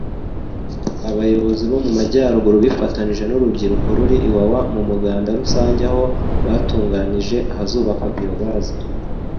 Abayobozi bo mu Majyaruguru bifatanyije n’urubyiruko ruri Iwawa mu muganda rusange aho batunganyije ahazubakwa biogaz